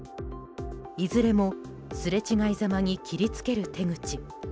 いずれもすれ違いざまに切りつける手口。